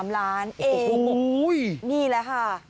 ๒๓ล้านเองนี่แหละค่ะ